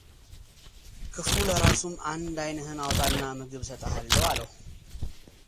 ክፉለራሱም አንድ አይንህን አውጣና ምግብ እሰጥሃለው አለው፡፡